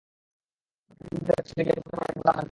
যাতে আমি লোকদের কাছে ফিরে গিয়ে বলতে পারি এবং তারাও জানতে পারে।